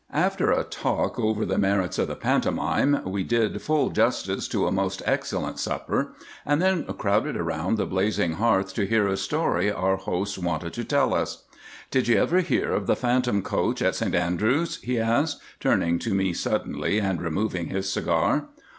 After a talk over the merits of the pantomime, we did full justice to a most excellent supper, and then crowded round the blazing hearth to hear a story our host wanted to tell us. "Did you ever hear of the Phantom Coach at St Andrews?" he asked, turning to me suddenly and removing his cigar.